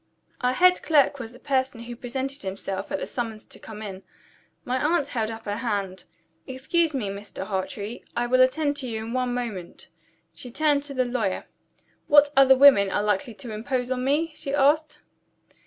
Our head clerk was the person who presented himself at the summons to come in. My aunt held up her hand. "Excuse me, Mr. Hartrey I will attend to you in one moment." She turned to the lawyer. "What other women are likely to impose on me?" she asked.